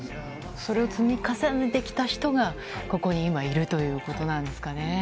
それを積み重ねてきた人が、ここに今、いるということなんですかね。